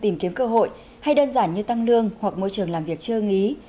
những cơ hội hay đơn giản như tăng lương hoặc môi trường làm việc chưa nghí